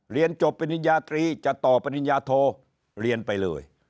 เรียนจบปริญญาตรีจะต่อปริญญาโทเรียนไปเลย